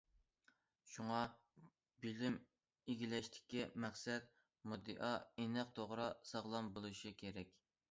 شۇڭا، بىلىم ئىگىلەشتىكى مەقسەت، مۇددىئا ئېنىق، توغرا ساغلام بولۇشى كېرەك.